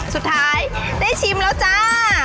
สุดท้ายได้ชิมแล้วจ้า